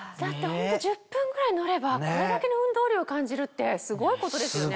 １０分ぐらい乗ればこれだけの運動量を感じるってすごいことですよね。